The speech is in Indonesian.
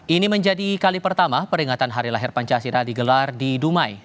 ini menjadi kali pertama peringatan hari lahir pancasila digelar di dumai